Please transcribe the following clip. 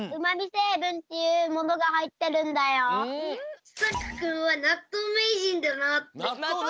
なっとうのさくくんはなっとうめいじんだなあって。